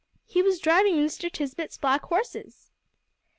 He was driving Mr. Tisbett's black horses!